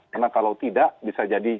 karena kalau tidak bisa jadi